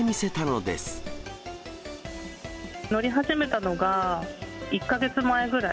乗り始めたのが、１か月前ぐらい。